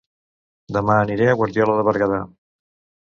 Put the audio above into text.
Dema aniré a Guardiola de Berguedà